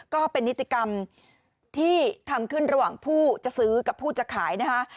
ก็เป็นนิติกรรมที่ทำขึ้นระหว่างผู้จะซื้อกับผู้จะขายนะคะ